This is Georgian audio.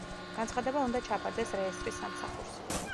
განცხადება უნდა ჩაბარდეს რეესტრის სამსახურს.